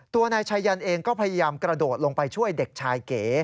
ตัวนายชายันเองก็พยายามกระโดดลงไปช่วยเด็กชายเก๋